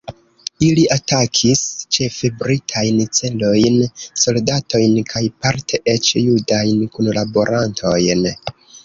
Ili atakis ĉefe britajn celojn, soldatojn kaj parte eĉ judajn kunlaborantojn.